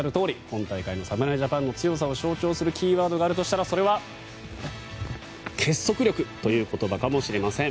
今回の侍ジャパンの強さを象徴するキーワードがあるとしたらそれは、結束力という言葉かもしれません。